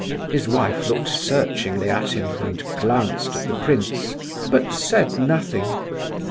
His wife looked searchingly at him, and glanced at the prince, but said nothing.